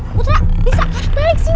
putra bisa kan balik sini